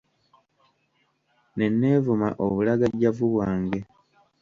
Ne neevuma obulagajjavu bwange.